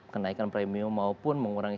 kenaikan premium maupun mengurangi